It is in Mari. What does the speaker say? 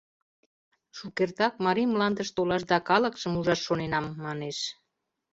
— Шукертак Марий мландыш толаш да калыкшым ужаш шоненам, манеш.